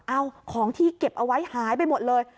ของที่เก็บเอาไว้หายไปหมดเลย